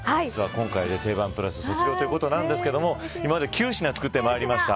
今回でテイバン＋卒業ということなんですけど今まで９品作ってまいりました。